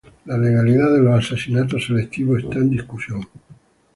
La legalidad de los asesinatos selectivos está en discusión.